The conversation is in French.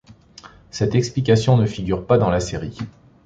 Cette explication ne figure pas dans la série.